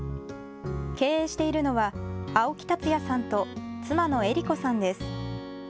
経営しているのは青木達也さんと妻の江梨子さんです。